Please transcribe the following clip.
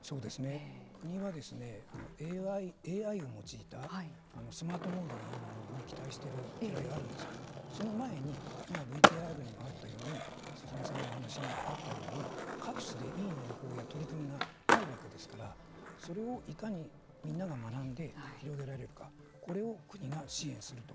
国はＡＩを用いたスマート農業ようなものに期待しているきらいがあるんですけれどもその前に今ＶＴＲにもあったように関根さんのお話にもあったように各地でいい農法や取り組みがあるわけですからそれをいかにみんなが学んで広げられるかこれを国が支援すると。